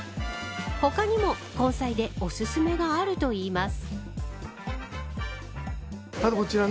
他にも根菜でおすすめがあるといいます。